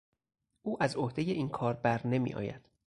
او از عهدهی این کار برنمیآید.